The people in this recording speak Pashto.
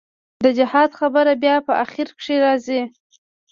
د جهاد خبره بيا په اخر کښې رځي.